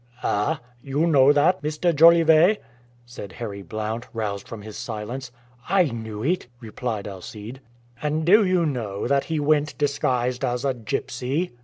"Ah! you know that, Mr. Jolivet?" said Harry Blount, roused from his silence. "I knew it," replied Alcide. "And do you know that he went disguised as a gypsy!"